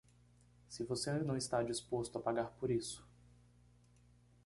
Se você não está disposto a pagar por isso